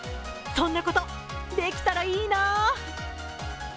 そんなことできたらいいな。